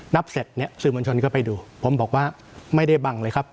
นับเสร็จเนี่ยสื่อมวลชนก็ไปดูผมบอกว่าไม่ได้บังเลยครับ